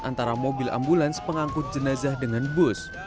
antara mobil ambulans pengangkut jenazah dengan bus